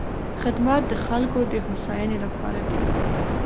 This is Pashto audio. خدمت د خلکو د هوساینې لپاره دی.